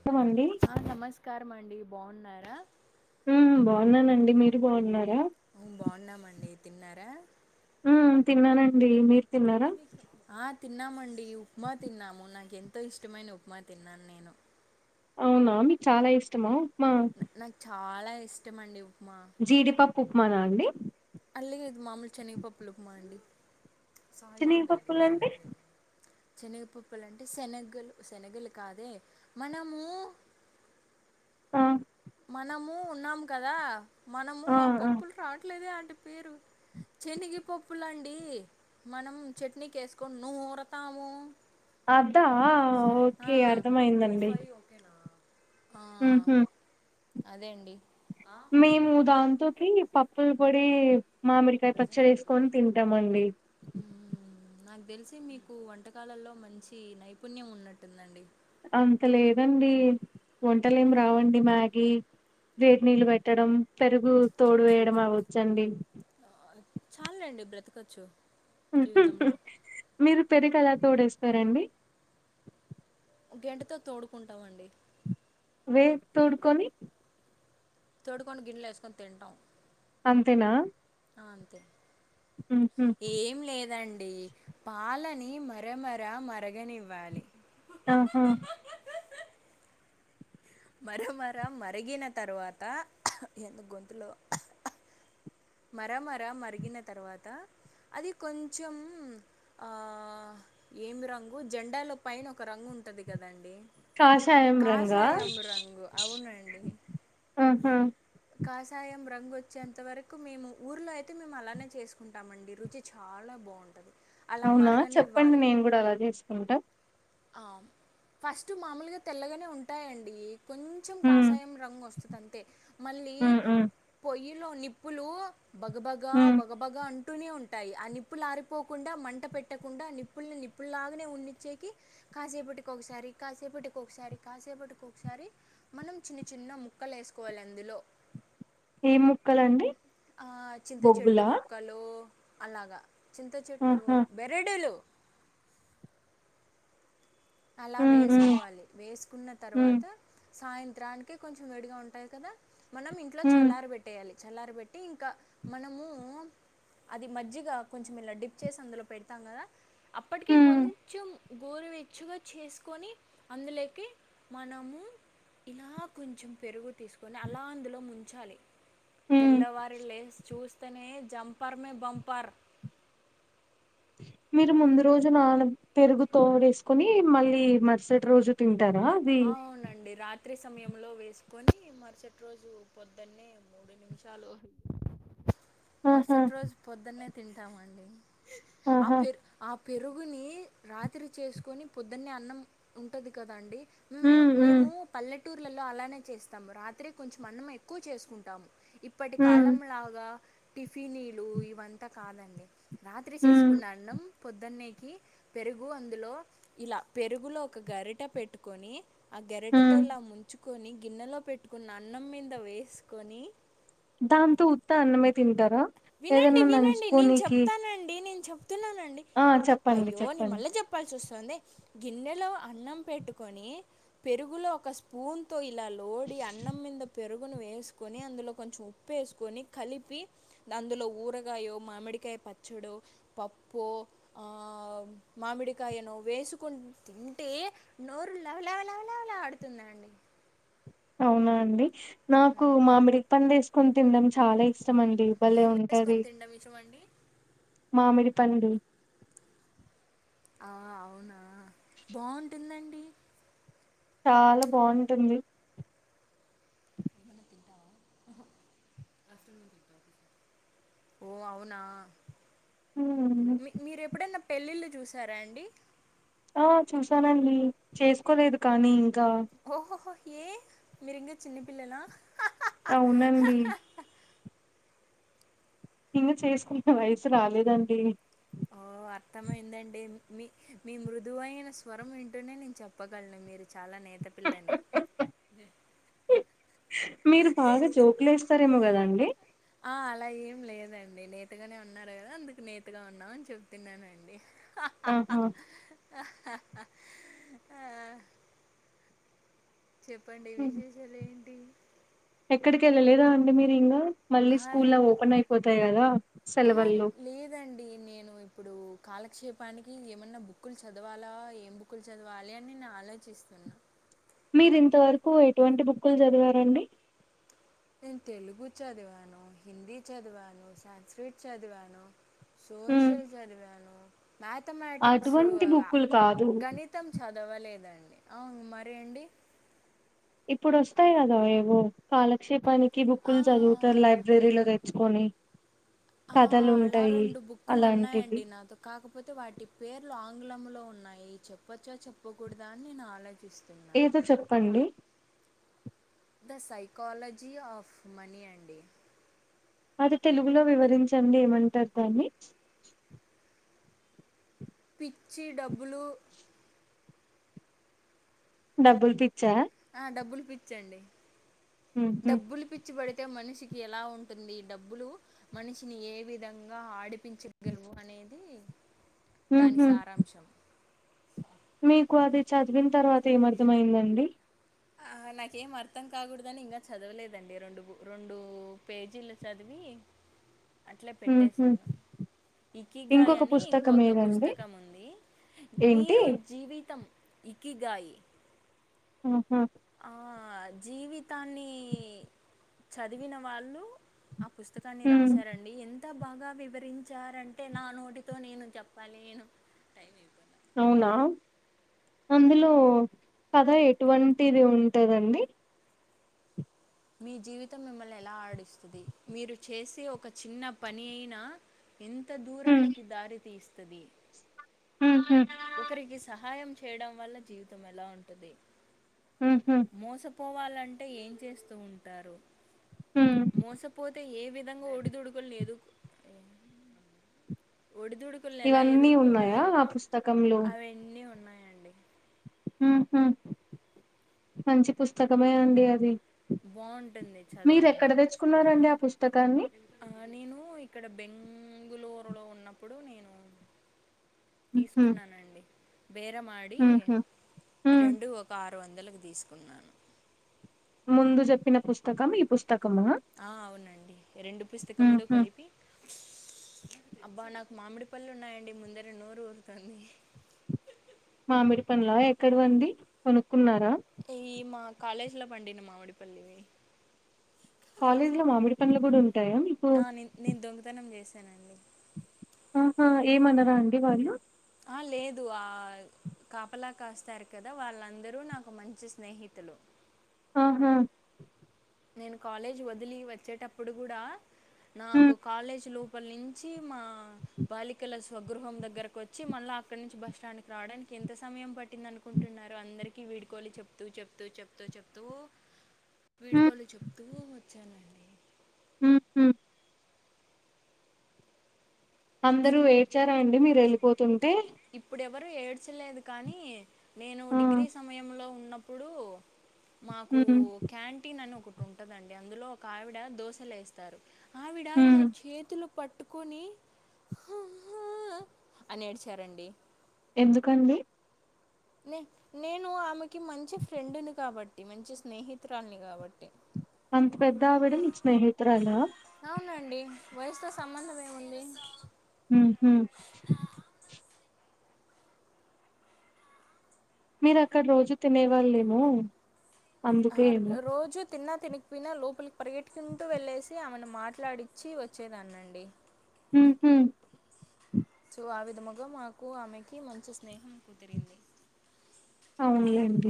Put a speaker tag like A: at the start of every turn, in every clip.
A: ఇష్టమండి
B: ఆ నమస్కారం అండి బాగున్నారా
A: హు హు బాగున్నానండి మీరు బాగున్నారా
B: మేము బాగున్నామండి తిన్నారా
A: హు తిన్నానండి మీరు తిన్నారా
B: ఆ తిన్నామండి ఉప్మా తిన్నాము నాకు ఎంతో ఇష్టమైన ఉప్మా తిన్నాను నేను
A: అవునా మీ చాలా ఇష్టమా ఉప్మా
B: నా- నాకు చాలా ఇష్టం అండి ఉప్మా
A: జీడిపప్పు ఉప్మానా అండి
B: అల్లిదు మామూలు చెనగపప్పులు ఉప్మా అండి
A: జీడిపప్పులు అంటే
B: చేనగపప్పులు అంటే శనగలు శనగలు కాదే మనము
A: ఆ
B: మనము ఉన్నాము కదా మనము ఆ పప్పులు రావట్లేదే అంటి పేరు చెనగ పప్పులండి మనం చట్నీకేసుకొని నూరతాము
A: అధా ఓకే అర్థమయిందండి
B: ఓకేనా
A: ఉహు
B: అదే అండి
A: మేము దాంతోటి పప్పులు పొడి మామిడికాయ పచ్చడి వేసుకొని తింటాము అండి
B: నాకు తెలిసి మీకు వంటకాలల్లో మంచి నైపుణ్యం ఉన్నట్టుందండి.
A: అంత లేదండి వంటలు ఏమి రావండి మ్యాగీ. వేడి నీళ్ళు పెట్టడం పెరుగు తోడు వేయడం అవచ్చండి.
B: చాలు లెండి బ్రతకచ్చు జీవితంలా.
A: మీరు పెరుగలా తోడేస్తారండి.
B: గెంటతో తోడుకుంటామండి.
A: వే తోడుకొని.
B: తోడుకొడి గిన్నెలేసుకొని తింటాం.
A: అంతేనా.
B: ఆ అంతే
A: ఉహు
B: ఏం లేదండి. పాలని మరమర మరగనివ్వాలి.
A: త హు.
B: మర మర మరిగిన తర్వాత ఎందో గొంతులో. మర మర మరిగిన తర్వాత అది కొంచెం. ఆ ఏమి రంగు జెండాలో పైన ఒక రంగు ఉంటది కదండి.
A: కాషాయం రంగా
B: కాసాయం రంగు అవునండి.
A: ఆహా
B: కాసాయం రంగు వచ్చేంతవరకు. కు మేము ఊర్లో అయితే మేము అలానే చేసుకుంటామండి రుచి చాలా బాగుంటది.
A: అవునా చెప్పండి నేను కూడా అలా చేసుకుంటా.
B: ఆ ఫస్ట్ మామూలుగా తెల్లగనే ఉంటాయండి. కొంచెం
A: ఉమ్
B: కాసాయం రంగు వస్తది అంతే మళ్ళీ
A: ఉమ్ ఉమ్
B: పొయ్యిలో నిప్. ప్పులు బగబగ
A: ఉమ్
B: బగబగ అంట. ట్టూనే ఉంటాయి ఆ నిప్పులు ఆరిపోకుండా మంట పెట్టకుండా నిప్పుల్ని నిప్పులులాగానే ఉన్నిచ్చేకి. కాసేపటికి ఒకసారి కాసేపటికి ఒకసారి కాసేపటికి ఒకసారి. మనం చిన్న చిన్న ముక్కలు ఎసుకోవాలి అందులో.
A: ఏం ముక్కలండి.
B: ఆ చింత చెట్టు
A: బొగ్గులా
B: ముక్కలు అలాగా చింత చెట్టు
A: ఆహా
B: బరెడులు. అలా
A: ఉమ్ ఉమ్
B: వేసుకోవాలి వేసుకున్న
A: ఉమ్
B: తర్వాత. సాయంత్రానికి కొంచెం వేడిగా ఉంటాయి కదా మనం ఇంట్లో
A: ఉమ్
B: చల్లార బేట్. ట్టేయాలి చల్లారి బేట్టి ఇంకా మనము. అది మజ్జిగా కొంచెం ఇలా డిప్ చేసి అందులో పెడతాం కదా. అప్పటికే
A: ఉమ్
B: కొంచెం గోరువే. చ్చుగా చేసుకొని అందులెకి మనము. ఇలా కొంచెం పెరుగు తీసుకొని అలా అందులో ముంచాలి.
A: ఉమ్
B: తెల్లవారి లేసి చూస్తేనే జంపర్ మే బంపర్.
A: మీరు ముందు రోజు నాన పెరుగు తోడేసుకుని మళ్ళీ మరుసటి రోజు తింటారా. అది
B: ఆ అవునండి రాత్రి సమయంలో వేసుకొని మరుసటి రోజు పొద్దున్నే. నిమిషాలు.
A: ఆహా
B: మరుసటి రోజు పొద్దునే తింటామండి ఆ
A: ఆహా
B: పేరు. ఆ పెరుగుని రాత్రి చేసుకొని పొద్దున్నే అన్నం ఉంటది కదాండి. మేము
A: ఉమ్ ఉమ్
B: మేము పల్లెటూర్లలో అలానే చేస్తాము రాత్రి కొంచెం అన్నం ఎక్కువ చేసుకుంటాము. ఇప్పటి
A: ఉమ్
B: కాలం లాగా టిఫినీలు ఇవంతా కాదండి. రాత్రి
A: ఉమ్
B: శేశుకున్న అన్నం పొద్దున్నేకి. పెరుగు అందులో ఇలా పెరుగులో ఒక గరిట పెట్టుకొని. ఆ గెరెటతో
A: ఉమ్
B: ఇలా ముంచుకొని గిన్నెలో పెట్టుకున్న అన్నం మింద వేసుకొని.
A: దాంతో ఉత్త అన్నమే తింటారు
B: వినండి వినండి నేను చెప్తానండి నేను చెప్తున్నానండి ఆ
A: చెప్పండి
B: అయ్యో నీ
A: చెప్పండి
B: మళ్ళీ చెప్పాల్సి వస్తుంది గిన్నెలో అన్నం పెట్టుకొని పెరుగులో ఒక స్పూన్ తో ఇలా లోడి అన్నం మీద పెరుగును వేసుకొని అందులో కొంచెం ఉ ఉప్పేసుకొని కలిపి అందులో ఊరగాయో మామిడికాయ పచ్చడో పప్పో ఆ మామిడికాయనో వేసుకుని తింటే నోరు లవలవ లవలవలా ఆడుతుందండి.
A: అవునా అండి
B: ఆ,
A: నాకు మామిడి పండు వేసుకొని తినడం చాలా ఇష్టమండి భలే
B: ఏం
A: ఉంటది
B: వేసుకొని తినడం ఇష్టమండి
A: మామిడి పండు
B: ఆ అవునా బాగుంటుందండి
A: చాలా బావుంటుంది.
B: ఎమన్నా తింటావా ఆహ అస్సలోద్దు. [unintelligible] ఓ అవునా
A: ఉమ్.
B: మీ మీరు ఎప్పుడైనా పెళ్ళిళ్ళు చూసారా అండి
A: ఆ చూసానండి చేసుకోలేదు కానీ ఇంకా
B: ఓహోహో ఏ మీరింగా చిన్నపిల్లలా
A: అవునండి ఇంగా చేసుకునే వయసు రాలేదండి.
B: అర్థం అయిందండి. మీ మీ మృదువైన స్వరం వింటూనే నేను చెప్పగలను మీరు చాలా నేత పిల్లని
A: మీరు బాగా జోకులు వేస్తారేమో కదా అండి
B: ఆ అలా ఏం లేదండి నేతగనే ఉన్నారు కదా అందుకు నేతగా ఉన్నామని చెప్తున్నానండి.
A: ఆహా
B: ఆ, చెప్పండి
A: ఉమ్.
B: విశేషాలు ఏంటి
A: ఎక్కడికి ఎళ్ళలేదా అండి మీరు ఇంగా మళ్ళీ స్కూల్లా ఓపెన్ అయిపోతాయి కదా.
B: ఆహా
A: సెలవుల్లో
B: లేదండి నేను ఇ ఇప్పుడు కాలక్షేపానికి ఏమన్నా బుక్కులు చదవాలా, ఏం బుక్కులు చదవాలి అని నేను ఆలోచిస్తున్నా.
A: మీరు ఇంతవరకు ఎటువంటి బుక్కులు చదివారండి
B: నేను తెలుగు చదివాను, హిందీ చదివాను, సాన్స్ క్రిట్ చదివాను.
A: ఉమ్.
B: సోషల్ చదివాను మ్యాథమెటిక్స్ ఉహ్
A: అటువంటి
B: అవ
A: బుక్కులు కాదు
B: గణి త్తం చదవలేదండి అవును మరి అండి
A: ఇప్పుడు వస్తాయి కదా ఏవో కాలక్షేపానికి
B: ఆ!
A: బుక్కులు చదువు [unintelligible] సెంట్రిల్ లైబ్రరీలో తెచ్చుకొని
B: ఆ!
A: కథలు
B: అలా
A: ఉంటయి
B: బుక్కులు
A: అలాంటివి
B: ఉన్నాయండి నాతో. కాకపోతే వాటి పేర్లు ఆంగ్లంలో ఉన్నాయి, చెప్పచ్చో చెప్పకూడదా అని నేను ఆలోచిస్తున్నా.
A: ఏదో చెప్పండి
B: ద సైకాలజీ ఆఫ్ మనీ అండి
A: అది తెలుగులో వివరించండి ఏమంటారు దాన్ని.
B: పిచ్చి డబ్బులు
A: డబ్బులు పిచ్చా
B: ఆ డబ్బులు పిచ్చండి
A: ఉహు
B: డబ్బులు పిచ్చి పిచ్చి పడితే మనిషికి ఎలా ఉంటుంది. డబ్బులు మనిషిని ఏ విధంగా ఆడి ప్పించ గలువు అనేది దాని
A: ఉహు
B: సారాంశం
A: మీకు అది చదివిన తర్వాత ఏమర్ధమయిందండి.
B: ఆ నాకేం అర్థం కాకూడదని ఇంగా చదవలేదండి రొండు రొండు పేజీలు చదివి అట్లే
A: ఉహు
B: పెట్టేశాను. ఇకిగాయ్
A: ఇంకొక
B: అని
A: పుస్తకం
B: ఇంకొక
A: ఏదండి
B: పుస్తకం ఉంది.
A: ఏంటి
B: మీరు జీవితం ఇకిగాయి.
A: హు హ
B: ఆ జీవితాన్ని, చదివిన వాళ్ళు, ఆ పుస్తకాన్ని
A: ఉమ్
B: రాసారం. అండి ఎంత బాగా వివరించారంటే నా నోటితో నేను చెప్పాలేను.
A: అవునా అందులో కథ ఎటువంటిది ఉంటదండి.
B: మీ జీవితం మిమ్మల్ని ఎలా ఆడిస్తది. మీరు చేసే ఒక చిన్న పని అయినా ఎంత
A: ఉమ్
B: దూరానికి దారితీస్తది.
A: హుహ్
B: ఒకరికి సహాయం చేయడం వల్ల జీవితం ఎలా ఉంటది.
A: ఉహ్ హు
B: మోసపోవాలంటే ఏం చేస్తూ ఉంటారు.
A: ఉమ్
B: మోసపోతే ఏ విధ విధంగా [unintelligible] ఒడిదుడుకులు లేదు. ఒడిదుడుకులను ఎలా
A: ఇవన్నీ ఉన్నాయా
B: ఎదుర్కోవాలి.
A: ఆ పుస్తకంలో
B: అవన్నీ ఉన్నాయండి.
A: ఉహ్ హు మంచి పుస్తకమే అండి అది.
B: బావుంటుంది చదవండి.
A: కున్నారండి ఆ పుస్తకాన్ని
B: ఆ నేను ఇక్కడ బెంగుళూరులో ఉన్నప్పుడు నేను
A: ఉహు
B: తీసుకున్నానండి. బేరమాడి,
A: ఉహు ఉమ్
B: రెండు ఒక ఆరు వందలకు తీసుకున్నాను.
A: ముందు చెప్పిన పుస్తకం ఈ పుస్తకమా
B: ఆ అవునండి రెండు పుస్తకములు
A: ఉహు
B: కలిపి అబ్బా నాకు మామిడిపల్లు ఉన్నాయండి. ముందరా నోరు ఊరుతుంది.
A: మామిడి పండ్లా ఎక్కడివండి. కొనుక్కున్నారా?
B: ఈ మా కాలేజ్లో పండిన మామిడిపల్లివి.
A: కాలేజ్ లో మామిడి పండ్లు కూడా ఉంటాయా.
B: ఆ నేన్ నేను దొంగతనం చేశానండి.
A: ఆహా ఏమనరా అండి వాళ్ళు
B: ఆహా లేదు ఆ కాపలా కాస్తారు కదా వాళ్ళందరూ నాకు మంచి స్నేహితులు.
A: ఆహా
B: నేను కాలేజీ వదిలి వచ్చేటప్పుడు కూడా నాకు
A: ఉమ్
B: కాలేజ్ లో ఫలించి మా [unintelligible] బాలికల స్వగృహం దగ్గరకు వచ్చి మళ్ళీ అక్కడి నుంచి బస్టాండ్ రావడానికి ఎంత సమయం పట్టిందను ఉంటున్నారు. అందరికి వీడ్కోలు చెప్తూ చెప్తూ చెప్తూ చెప్తూ
A: ఉమ్
B: వాళ్ళకు చెప్తూ వచ్చానండి.
A: హుహ్ అందరు ఎడ్చారా అండి. మీరు వెళ్ళిపోతుంటే,
B: ఇప్పుడు ఎవరు ఏడ్చలేదు. కానీ నేను
A: ఆ
B: డిగ్రీ సమయంలో ఉన్నప్పుడు. మాకు
A: ఉమ్
B: క్యాంటీన్ అని ఒకటి ఉంటదండి. అందులో ఒక ఆవిడ దోశలు వేస్తారు. ఆవిడ ఇలా
A: ఉమ్
B: చేతులు పట్టుకొని హ హ అని ఏడిచి చేరండి.
A: ఎందుకండి
B: నే నేను ఆమెకి మంచి ఫ్రెండుని కాబట్టి మంచి స్నేహితురాలిని కాబట్టి
A: అంత పెద్ద ఆవిడ నీకు స్నేహితురాాల
B: అవునండి వయసుతో సంబంధం ఏముంది
A: ఉహు మీరు అక్కడ రోజు తినే వాళ్ళేమో
B: ఆ రోజు తిన్నా తినీ పోయినా లోపలికి పరిగెట్టుకుంటూ వెళ్ళేసి ఆమెను మాట్లాడించి వచ్చేదాన్నిండి
A: ఉహు
B: సో ఆ విధముగా మాకు ఆమెకి మంచి స్నేహం కుదిరింది
A: అవునులేండి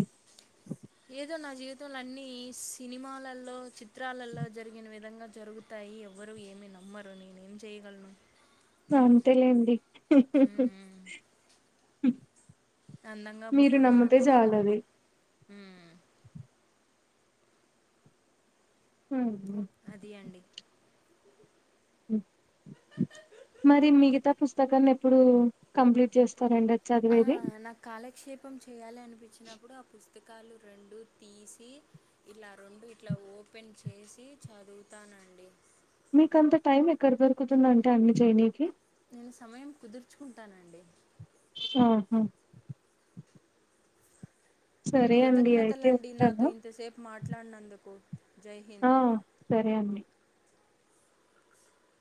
B: ఏదో నా జీవితంలో అన్నిీ సినిమాలలో చిత్రాలలో జరిగిన విధంగా జరుగు తాయి ఎవ్వరు ఏమి నమ్మరు నేనేం చేయగలను
A: అంతేలేండి
B: మ్మ్. అందంగా
A: మీరు
B: పుట్టడం నా
A: నమ్మితే
B: తప్ప
A: చాలది హ
B: అది అండి
A: మరి మిగతా పుస్తకాన్ని ఎప్పుడు కంప్లీట్ చేస్తారండి
B: ఆ
A: చదివేది
B: నాకు కాలక్షేపం చేయాలి అనిపించినప్పుడు ఆ పుస్తకాలు రెండు తీసి ఇలా రెండు ఇట్లా ఓపెన్ చేసి చదువుతానండి
A: మీక అంత టైం ఎక్కడ దొరుకుతుందంటే అన్ని చేయనీకి
B: నేను సమయం కుదుర్చుకుంటానండి
A: ఆాహా సరే అండి అయితే
B: కృతజ్ఞతలండి నాతో
A: ఉంటాను
B: ఇంతసేపు మాట్లాడినందుకు
A: ఆ
B: జైహింద్
A: సరే అండి